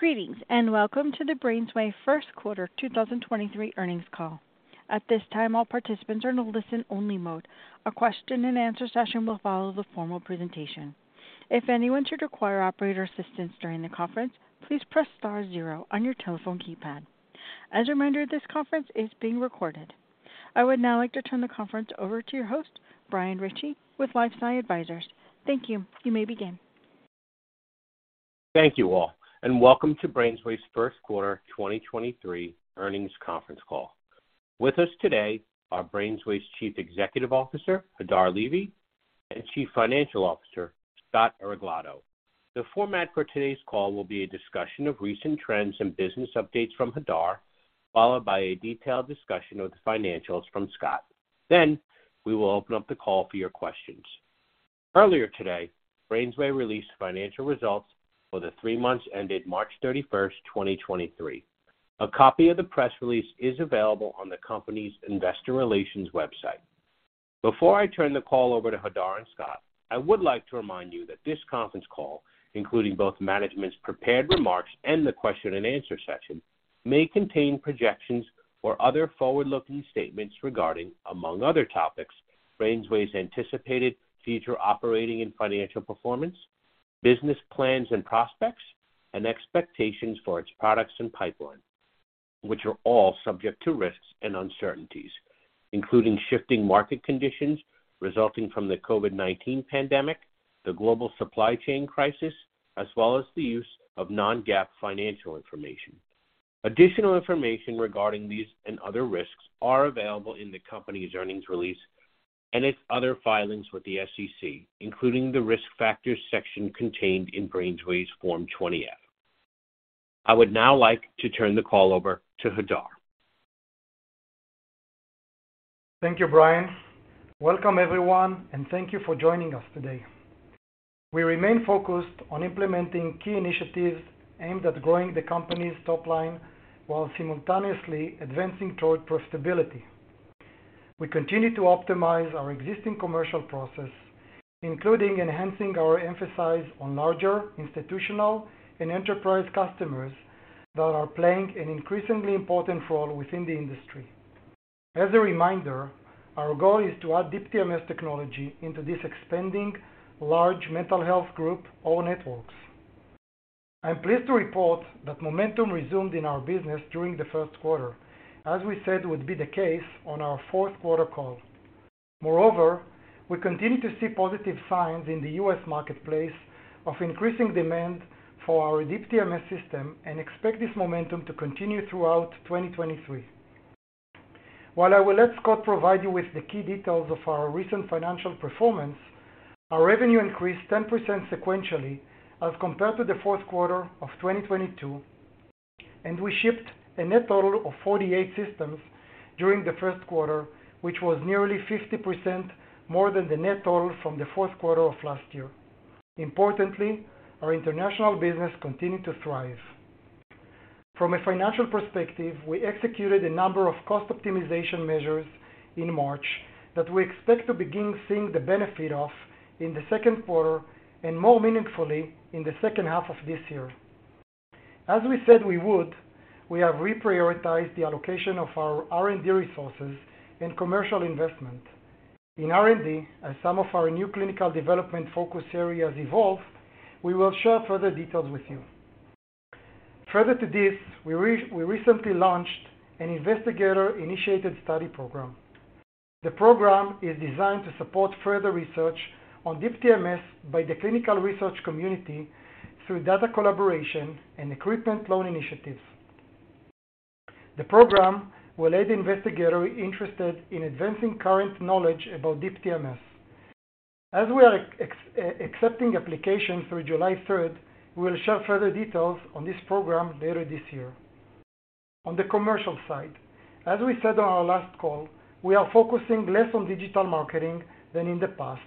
Greetings, welcome to the BrainsWay first quarter 2023 earnings call. At this time, all participants are in listen-only mode. A question and answer session will follow the formal presentation. If anyone should require operator assistance during the conference, please press star zero on your telephone keypad. As a reminder, this conference is being recorded. I would now like to turn the conference over to your host, Brian Ritchie, with LifeSci Advisors. Thank you. You may begin. Thank you all, and welcome to BrainsWay's first quarter 2023 earnings conference call. With us today are BrainsWay's Chief Executive Officer, Hadar Levy, and Chief Financial Officer, Scott Areglado. The format for today's call will be a discussion of recent trends and business updates from Hadar, followed by a detailed discussion of the financials from Scott. We will open up the call for your questions. Earlier today, BrainsWay released financial results for the 3 months ended March 31, 2023. A copy of the press release is available on the company's investor relations website. Before I turn the call over to Hadar and Scott, I would like to remind you that this conference call, including both management's prepared remarks and the question and answer session, may contain projections or other forward-looking statements regarding, among other topics, BrainsWay's anticipated future operating and financial performance, business plans and prospects, and expectations for its products and pipeline, which are all subject to risks and uncertainties, including shifting market conditions resulting from the COVID-19 pandemic, the global supply chain crisis, as well as the use of non-GAAP financial information. Additional information regarding these and other risks are available in the company's earnings release and its other filings with the SEC, including the Risk Factors section contained in BrainsWay's Form 20-F. I would now like to turn the call over to Hadar. Thank you, Brian. Welcome, everyone, and thank you for joining us today. We remain focused on implementing key initiatives aimed at growing the company's top line while simultaneously advancing toward profitability. We continue to optimize our existing commercial process, including enhancing our emphasis on larger institutional and enterprise customers that are playing an increasingly important role within the industry. As a reminder, our goal is to add Deep TMS technology into this expanding large mental health group or networks. I'm pleased to report that momentum resumed in our business during the first quarter, as we said would be the case on our fourth quarter call. We continue to see positive signs in the U.S. marketplace of increasing demand for our Deep TMS system and expect this momentum to continue throughout 2023. While I will let Scott provide you with the key details of our recent financial performance, our revenue increased 10% sequentially as compared to the fourth quarter of 2022, and we shipped a net total of 48 systems during the first quarter, which was nearly 50% more than the net total from the fourth quarter of last year. Importantly, our international business continued to thrive. From a financial perspective, we executed a number of cost optimization measures in March that we expect to begin seeing the benefit of in the second quarter and more meaningfully in the second half of this year. As we said we would, we have reprioritized the allocation of our R&D resources and commercial investment. In R&D, as some of our new clinical development focus areas evolved, we will share further details with you. Further to this, we recently launched an investigator-initiated study program. The program is designed to support further research on Deep TMS by the clinical research community through data collaboration and equipment loan initiatives. The program will aid the investigator interested in advancing current knowledge about Deep TMS. As we are accepting applications through July 3rd, we will share further details on this program later this year. On the commercial side, as we said on our last call, we are focusing less on digital marketing than in the past,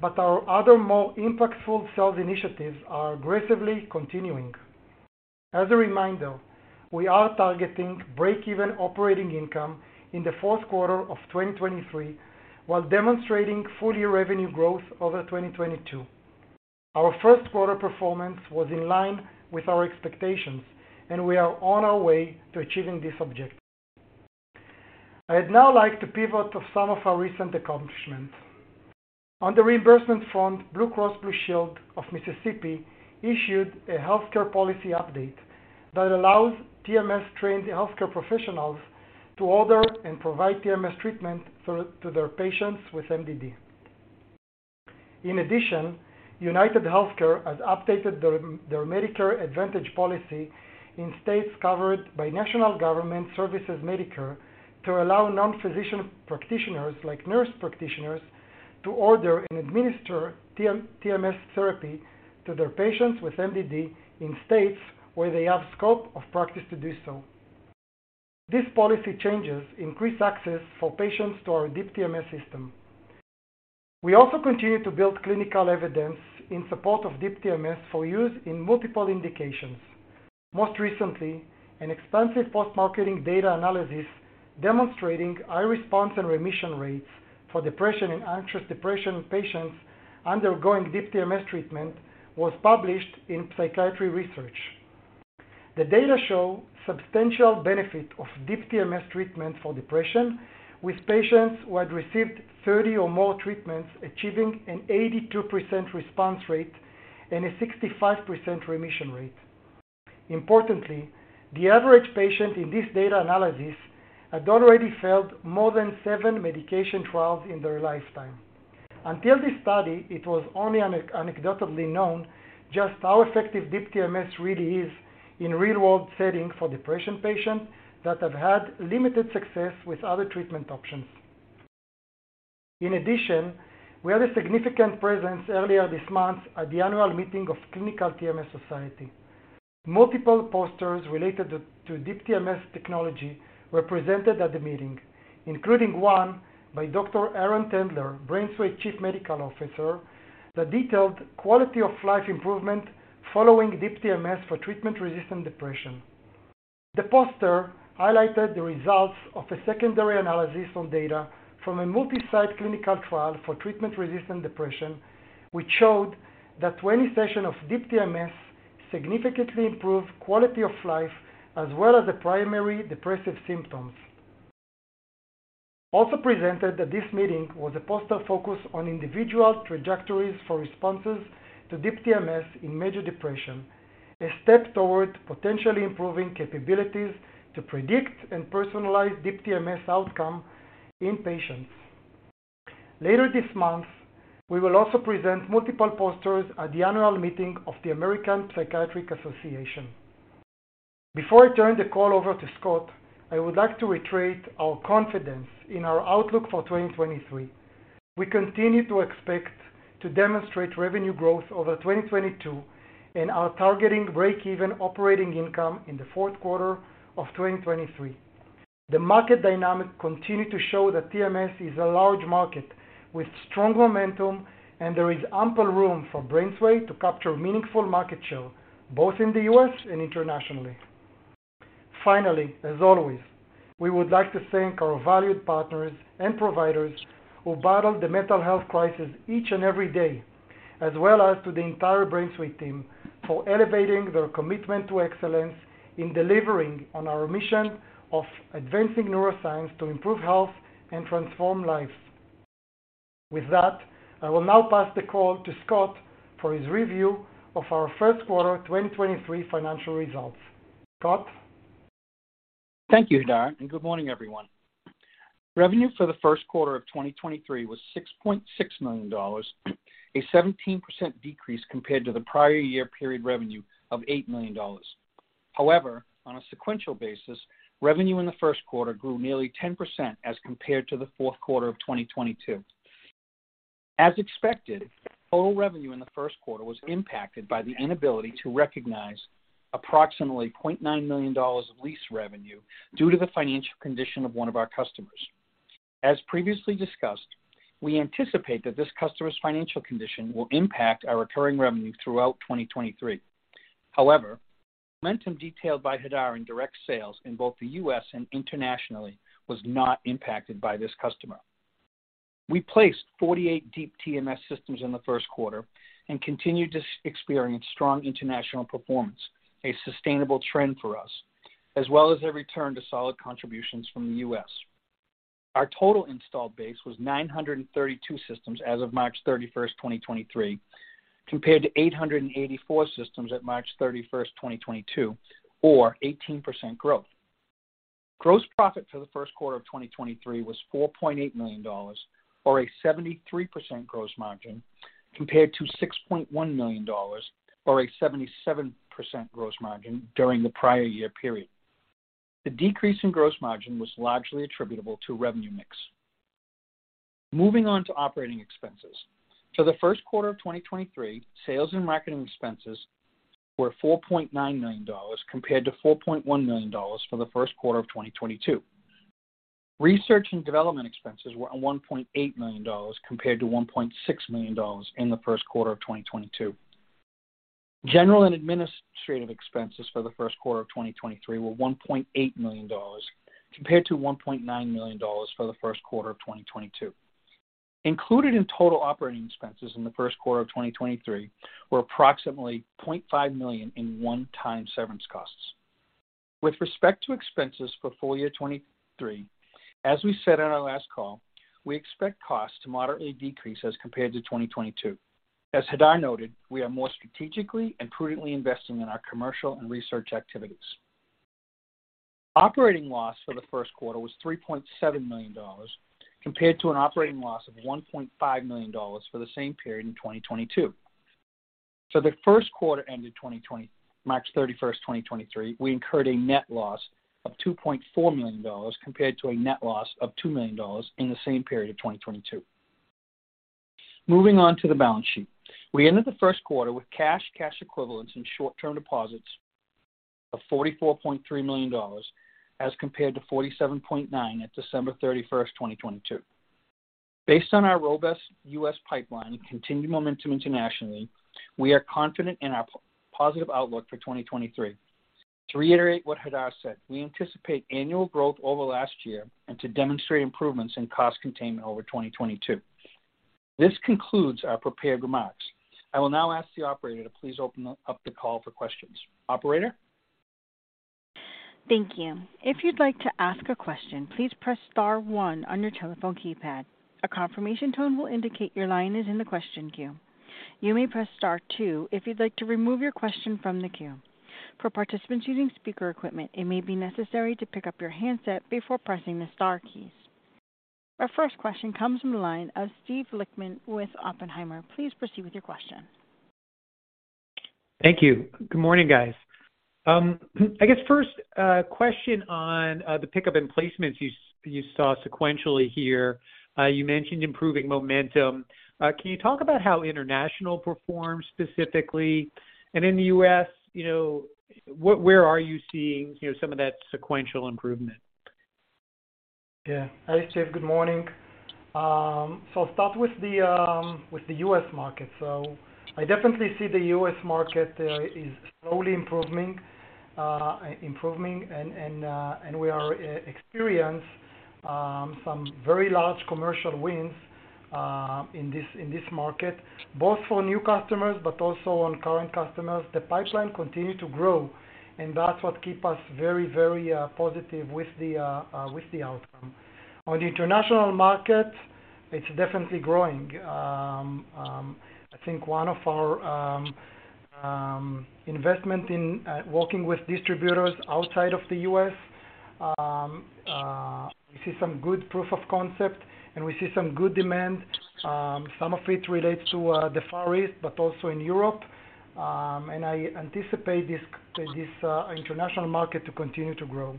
but our other more impactful sales initiatives are aggressively continuing. As a reminder, we are targeting break-even operating income in the fourth quarter of 2023 while demonstrating full-year revenue growth over 2022. Our first quarter performance was in line with our expectations, and we are on our way to achieving this objective. I'd now like to pivot to some of our recent accomplishments. On the reimbursement front, Blue Cross & Blue Shield of Mississippi issued a healthcare policy update that allows TMS-trained healthcare professionals to order and provide TMS treatment to their patients with MDD. In addition, UnitedHealthcare has updated their Medicare Advantage policy in states covered by National Government Services Medicare to allow non-physician practitioners like nurse practitioners to order and administer TMS therapy to their patients with MDD in states where they have scope of practice to do so. These policy changes increase access for patients to our Deep TMS system. We also continue to build clinical evidence in support of Deep TMS for use in multiple indications. Most recently, an expansive post-marketing data analysis demonstrating high response and remission rates for depression and anxious depression patients undergoing Deep TMS treatment was published in Psychiatry Research. The data show substantial benefit of Deep TMS treatment for depression with patients who had received 30 or more treatments achieving an 82% response rate and a 65% remission rate. Importantly, the average patient in this data analysis had already failed more than 7 medication trials in their lifetime. Until this study, it was only anecdotally known just how effective Deep TMS really is in real-world setting for depression patients that have had limited success with other treatment options. We had a significant presence earlier this month at the annual meeting of Clinical TMS Society. Multiple posters related to Deep TMS technology were presented at the meeting, including one by Dr. Aron Tendler, BrainsWay Chief Medical Officer, that detailed quality of life improvement following Deep TMS for treatment-resistant depression. The poster highlighted the results of a secondary analysis on data from a multi-site clinical trial for treatment-resistant depression, which showed that 20 sessions of Deep TMS significantly improved quality of life as well as the primary depressive symptoms. Presented at this meeting was a poster focus on individual trajectories for responses to Deep TMS in major depression, a step toward potentially improving capabilities to predict and personalize Deep TMS outcome in patients. Later this month, we will also present multiple posters at the annual meeting of the American Psychiatric Association. Before I turn the call over to Scott, I would like to reiterate our confidence in our outlook for 2023. We continue to expect to demonstrate revenue growth over 2022 and are targeting breakeven operating income in the fourth quarter of 2023. The market dynamics continue to show that TMS is a large market with strong momentum, and there is ample room for BrainsWay to capture meaningful market share, both in the U.S. and internationally. Finally, as always, we would like to thank our valued partners and providers who battle the mental health crisis each and every day, as well as to the entire BrainsWay team for elevating their commitment to excellence in delivering on our mission of advancing neuroscience to improve health and transform lives. With that, I will now pass the call to Scott for his review of our first quarter 2023 financial results. Scott? Thank you, Hadar. Good morning, everyone. Revenue for the first quarter of 2023 was $6.6 million, a 17% decrease compared to the prior year period revenue of $8 million. On a sequential basis, revenue in the first quarter grew nearly 10% as compared to the fourth quarter of 2022. As expected, total revenue in the first quarter was impacted by the inability to recognize approximately $0.9 million of lease revenue due to the financial condition of one of our customers. As previously discussed, we anticipate that this customer's financial condition will impact our recurring revenue throughout 2023. Momentum detailed by Hadar in direct sales in both the U.S. and internationally was not impacted by this customer. We placed 48 Deep TMS systems in the first quarter and continued to experience strong international performance, a sustainable trend for us, as well as a return to solid contributions from the U.S. Our total installed base was 932 systems as of March 31st, 2023, compared to 884 systems at March 31st, 2022 or 18% growth. Gross profit for the first quarter of 2023 was $4.8 million or a 73% gross margin compared to $6.1 million or a 77% gross margin during the prior year period. The decrease in gross margin was largely attributable to revenue mix. Moving on to operating expenses. For the first quarter of 2023, sales and marketing expenses were $4.9 million compared to $4.1 million for the first quarter of 2022. Research and development expenses were at $1.8 million compared to $1.6 million in the first quarter of 2022. General and administrative expenses for the first quarter of 2023 were $1.8 million compared to $1.9 million for the first quarter of 2022. Included in total operating expenses in the first quarter of 2023 were approximately $0.5 million in one-time severance costs. With respect to expenses for full year 2023, as we said on our last call, we expect costs to moderately decrease as compared to 2022. As Hadar noted, we are more strategically and prudently investing in our commercial and research activities. Operating loss for the first quarter was $3.7 million compared to an operating loss of $1.5 million for the same period in 2022. For the first quarter ending March 31st, 2023, we incurred a net loss of $2.4 million compared to a net loss of $2 million in the same period of 2022. Moving on to the balance sheet. We ended the first quarter with cash equivalents, and short-term deposits of $44.3 million as compared to $47.9 million at December 31st, 2022. Based on our robust U.S. pipeline and continued momentum internationally, we are confident in our positive outlook for 2023. To reiterate what Hadar said, we anticipate annual growth over last year and to demonstrate improvements in cost containment over 2022. This concludes our prepared remarks. I will now ask the operator to please open up the call for questions. Operator? Thank you. If you'd like to ask a question, please press star one on your telephone keypad. A confirmation tone will indicate your line is in the question queue. You may press star two if you'd like to remove your question from the queue. For participants using speaker equipment, it may be necessary to pick up your handset before pressing the star keys. Our first question comes from the line of Steve Lichtman with Oppenheimer. Please proceed with your question. Thank you. Good morning, guys. I guess first, question on the pickup in placements you saw sequentially here. You mentioned improving momentum. Can you talk about how international performed specifically? In the U.S., you know, where are you seeing, you know, some of that sequential improvement? Yeah. Hi, Steve. Good morning. I'll start with the U.S. market. I definitely see the U.S. market is slowly improving and we are experience some very large commercial wins in this market, both for new customers but also on current customers. The pipeline continue to grow, and that's what keep us very positive with the outcome. On the international market, it's definitely growing. I think one of our investment in working with distributors outside of the U.S., we see some good proof of concept, and we see some good demand, some of which relates to the Far East, but also in Europe. I anticipate this international market to continue to grow.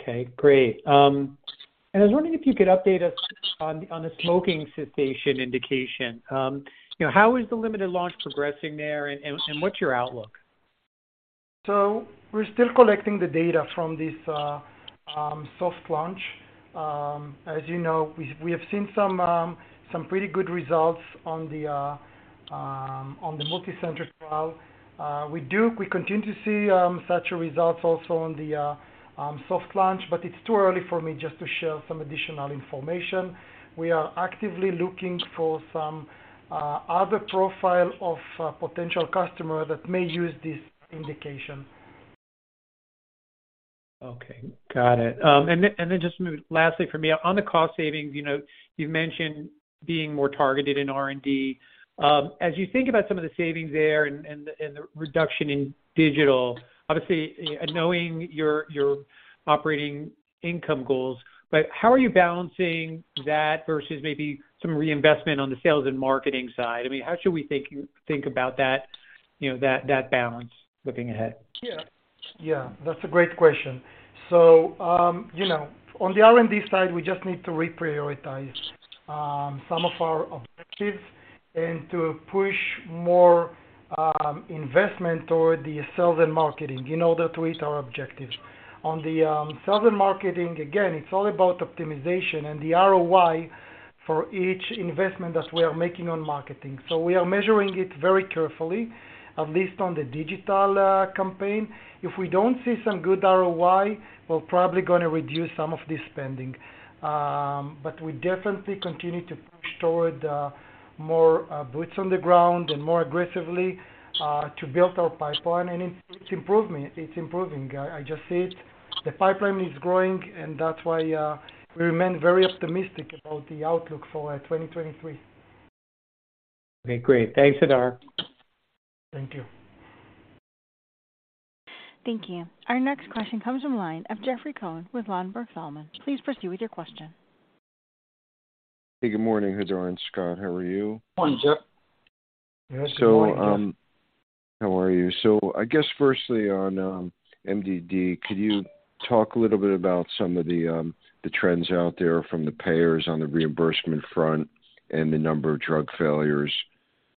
Okay, great. I was wondering if you could update us on the, on the smoking cessation indication. You know, how is the limited launch progressing there, and what's your outlook? We're still collecting the data from this soft launch. As you know, we have seen some pretty good results on the multi-centric trial. We continue to see such a results also on the soft launch, but it's too early for me just to share some additional information. We are actively looking for some other profile of potential customer that may use this indication. Okay, got it. Just lastly for me. On the cost savings, you know, you've mentioned being more targeted in R&D. As you think about some of the savings there and the reduction in digital, obviously, knowing your operating income goals, but how are you balancing that versus maybe some reinvestment on the sales and marketing side? I mean, how should we think about that, you know, that balance looking ahead? Yeah. Yeah, that's a great question. You know, on the R&D side, we just need to reprioritize some of our objectives and to push more investment toward the sales and marketing in order to hit our objectives. On the sales and marketing, again, it's all about optimization and the ROI for each investment that we are making on marketing. We are measuring it very carefully, at least on the digital campaign. If we don't see some good ROI, we're probably gonna reduce some of this spending. We definitely continue to push toward more boots on the ground and more aggressively to build our pipeline, it's improving. It's improving. I just see it. The pipeline is growing, and that's why we remain very optimistic about the outlook for 2023. Okay, great. Thanks, Hadar. Thank you. Thank you. Our next question comes from line of Jeffrey Cohen with Ladenburg Thalmann. Please proceed with your question. Hey, good morning, Hadar and Scott. How are you? Morning, Jeff. Yes, good morning, Jeff. How are you? I guess firstly on MDD, could you talk a little bit about some of the trends out there from the payers on the reimbursement front and the number of drug failures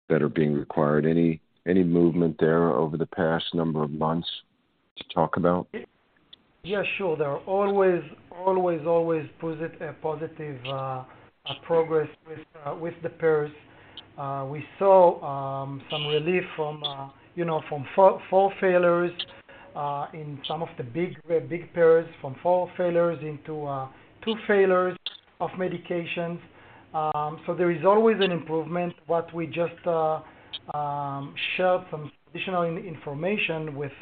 that are being required? Any movement there over the past number of months to talk about? Yeah, sure. There are always positive progress with the payers. We saw some relief from, you know, from 4 failures in some of the big payers, from 4 failures into 2 failures of medications. There is always an improvement, but we just share some additional information with.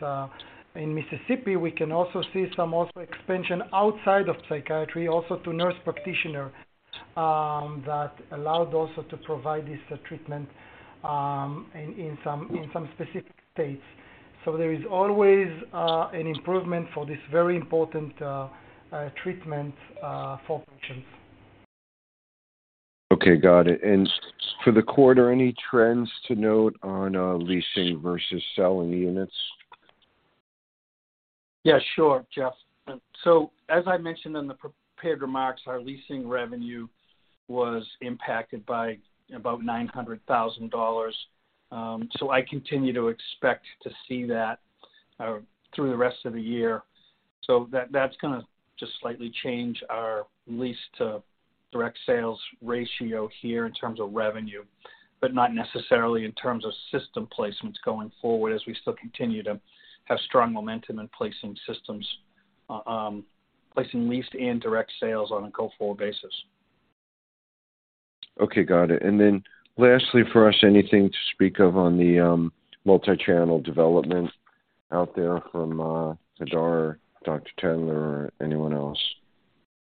In Mississippi, we can also see some also expansion outside of psychiatry also to nurse practitioner that allowed also to provide this treatment in some specific states. There is always an improvement for this very important treatment for patients. Okay, got it. For the quarter, any trends to note on leasing versus selling the units? Sure, Jeff. As I mentioned in the prepared remarks, our leasing revenue was impacted by about $900,000. I continue to expect to see that through the rest of the year. That's gonna just slightly change our leased to direct sales ratio here in terms of revenue, but not necessarily in terms of system placements going forward as we still continue to have strong momentum in placing systems, placing leased and direct sales on a go-forward basis. Okay, got it. Lastly for us, anything to speak of on the multi-channel development out there from Hadar, Dr. Aron Tendler, or anyone else?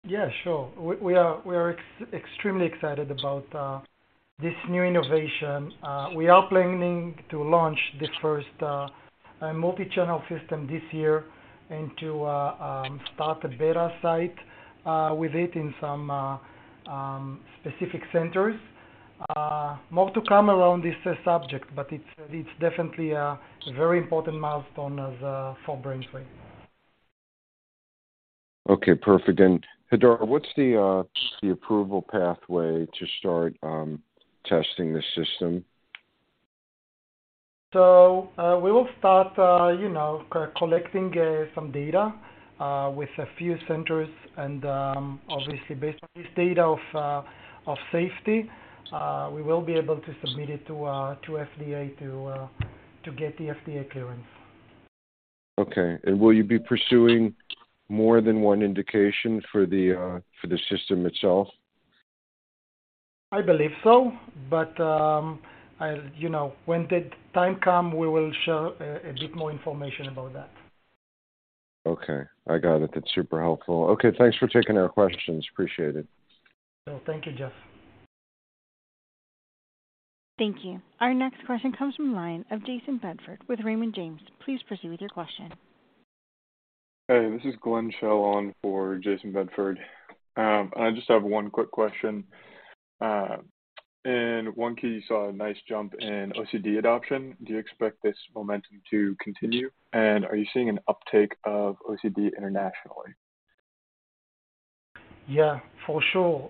Yeah, sure. We are extremely excited about this new innovation. We are planning to launch the first multi-channel system this year and to start a beta site with it in some specific centers. More to come around this subject, but it's definitely a very important milestone for BrainsWay. Okay, perfect. Hadar, what's the approval pathway to start testing the system? We will start, you know, collecting, some data, with a few centers and, obviously based on this data of safety, we will be able to submit it to FDA to get the FDA clearance. Okay. Will you be pursuing more than one indication for the system itself? I believe so, you know, when the time come, we will share a bit more information about that. Okay. I got it. That's super helpful. Okay, thanks for taking our questions. Appreciate it. Thank you, Jeff. Thank you. Our next question comes from the line of Jayson Bedford with Raymond James. Please proceed with your question. Hey, this is Glenn Shell on for Jayson Bedford. I just have one quick question. In Q1 you saw a nice jump in OCD adoption. Do you expect this momentum to continue? Are you seeing an uptake of OCD internationally? Yeah, for sure.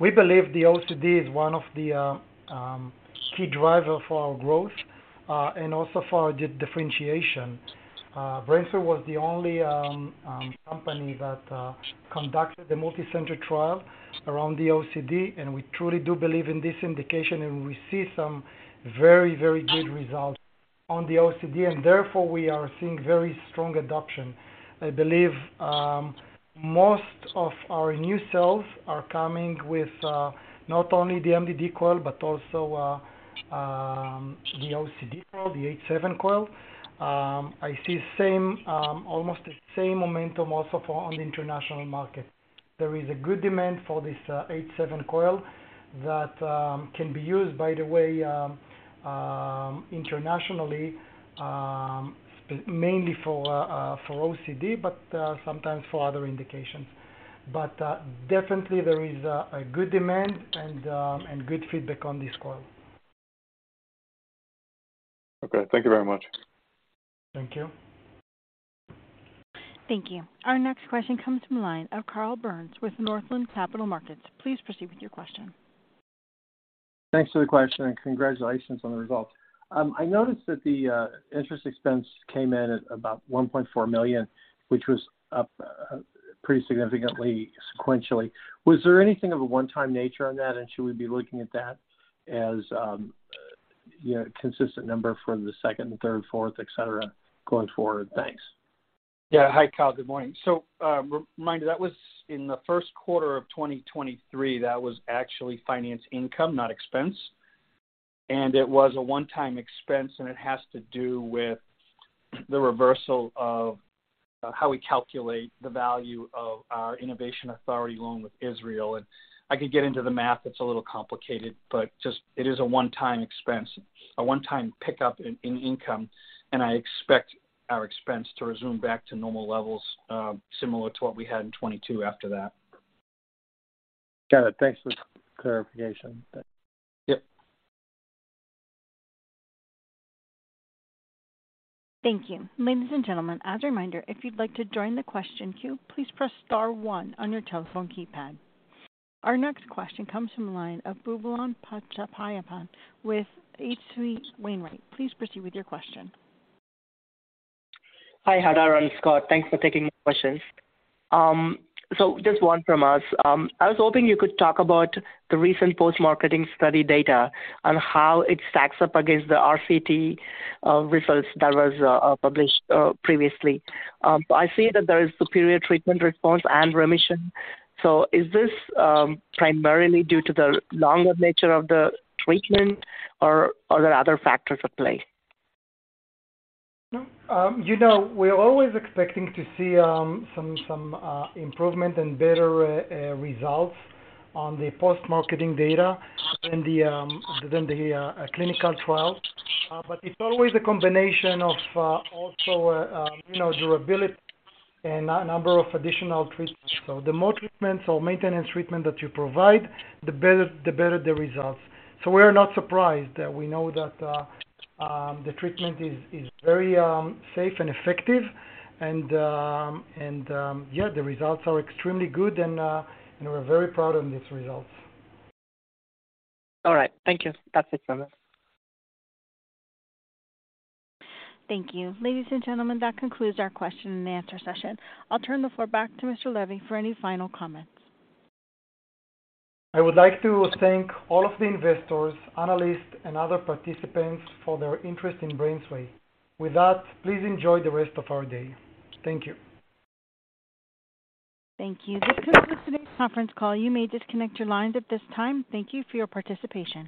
We believe the OCD is one of the key driver for our growth, and also for the differentiation. BrainsWay was the only company that conducted the multicenter trial around the OCD, and we truly do believe in this indication, and we see some very, very good results on the OCD, and therefore we are seeing very strong adoption. I believe most of our new sales are coming with not only the MDD coil but also the OCD coil, the H7 Coil. I see same almost the same momentum also for on the international market. There is a good demand for this H7 Coil that can be used, by the way, internationally, mainly for OCD, but sometimes for other indications. Definitely there is a good demand and good feedback on this coil. Okay. Thank you very much. Thank you. Thank you. Our next question comes from the line of Carl Byrnes with Northland Capital Markets. Please proceed with your question. Thanks for the question, and congratulations on the results. I noticed that the interest expense came in at about $1.4 million, which was up pretty significantly sequentially. Was there anything of a one-time nature on that, and should we be looking at that as, you know, consistent number for the second, third, fourth, et cetera, going forward? Thanks. Hi, Carl. Good morning. remind you, that was in the first quarter of 2023, that was actually finance income, not expense, and it was a one-time expense, and it has to do with the reversal of how we calculate the value of our Israel Innovation Authority loan with Israel. I could get into the math, it's a little complicated, but just it is a one-time expense, a one-time pickup in income, and I expect our expense to resume back to normal levels, similar to what we had in 22 after that. Got it. Thanks for the clarification. Yep. Thank you. Ladies and gentlemen, as a reminder, if you'd like to join the question queue, please press star one on your telephone keypad. Our next question comes from the line of Boobalan Pachaiyappan with H.C. Wainwright. Please proceed with your question. Hi, Hadar and Scott. Thanks for taking the questions. Just one from us. I was hoping you could talk about the recent post-marketing study data and how it stacks up against the RCT results that was published previously. I see that there is superior treatment response and remission. Is this primarily due to the longer nature of the treatment or are there other factors at play? You know, we're always expecting to see some improvement and better results on the post-marketing data than the than the clinical trials. It's always a combination of also, you know, durability and a number of additional treatments. The more treatments or maintenance treatment that you provide, the better the results. We're not surprised. We know that the treatment is very safe and effective and, yeah, the results are extremely good and we're very proud of these results. All right. Thank you. That's it from us. Thank you. Ladies and gentlemen, that concludes our question and answer session. I'll turn the floor back to Mr. Levy for any final comments. I would like to thank all of the investors, analysts, and other participants for their interest in BrainsWay. With that, please enjoy the rest of our day. Thank you. Thank you. This concludes today's conference call. You may disconnect your lines at this time. Thank you for your participation.